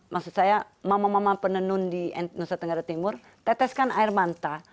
maksud saya mama mama penenun di nusa tenggara timur teteskan air manta